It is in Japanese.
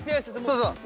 そうそう。